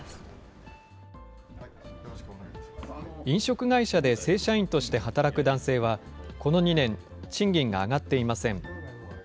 飲食会社で正社員として働く男性は、この２年、賃金が上がっていません。